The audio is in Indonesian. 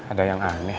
ada yang aneh